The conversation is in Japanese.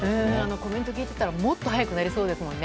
コメント聞いてたらもっと速くなりそうですもんね。